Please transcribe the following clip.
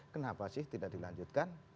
kenapa sih tidak dilanjutkan